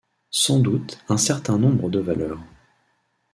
Sans doute un certain nombre de valeurs.